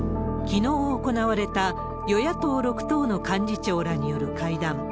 きのう行われた、与野党６党の幹事長らによる会談。